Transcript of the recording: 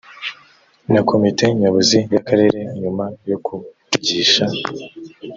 na komite nyobozi y akarere nyuma yo kugisha